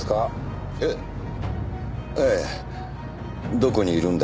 「どこにいるんだ？」